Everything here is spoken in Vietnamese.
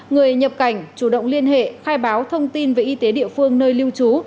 người nhập cảnh chủ động liên hệ khai báo thông tin về y tế địa phương nơi lưu trú